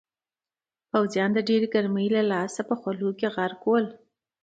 پوځیان د ډېرې ګرمۍ له لاسه په خولو کې غرق ول.